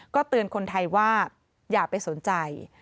เตือนคนไทยว่าอย่าไปสนใจ